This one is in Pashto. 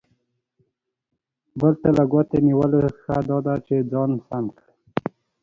بل ته له ګوتې نیولو، ښه دا ده چې ځان سم کړو.